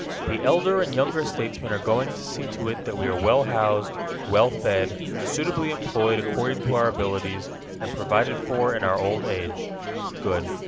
The elder and younger statesmen are going to see to it that we are well housed, well fed, suitably employed according to our abilities, and provided for in our old age. Good.